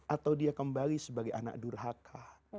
atau dia kembali sebagai anak durhaka